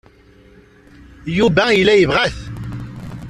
Yuba yella yebɣa-t.